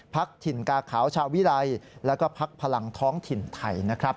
ถิ่นกาขาวชาวิรัยแล้วก็พักพลังท้องถิ่นไทยนะครับ